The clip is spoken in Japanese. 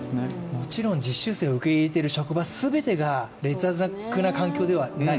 もちろん実習生を受け入れている職場全てが劣悪な環境ではない。